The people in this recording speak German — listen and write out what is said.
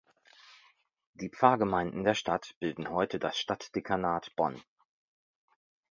Die Pfarrgemeinden der Stadt bilden heute das Stadtdekanat Bonn.